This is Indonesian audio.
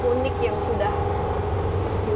unik yang sudah